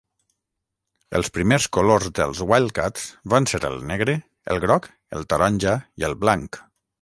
Els primers colors dels Wildcats van ser el negre, el groc, el taronja i el blanc.